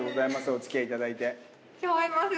お付き合いいただいて。